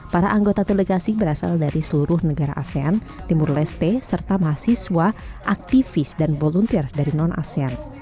para anggota delegasi berasal dari seluruh negara asean timur leste serta mahasiswa aktivis dan volunteer dari non asean